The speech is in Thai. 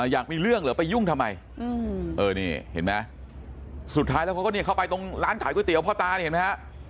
อยากมีเรื่องเหรอไปยุ่งทำไมนี่เห็นไหมสุดท้ายแล้วเขาก็เนี่ยเข้าไปตรงร้านขายก๋วเตี๋ยพ่อตานี่เห็นไหมฮะ